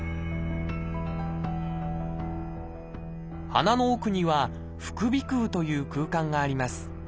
鼻の奥には「副鼻腔」という空間があります。